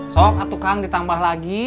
sok atukang ditambah lagi